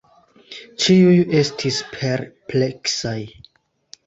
Ĉiuj estis perpleksaj.